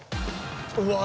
うわ。